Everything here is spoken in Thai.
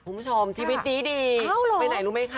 คุณผู้ชมชีวิตดีไปไหนรู้ไหมคะ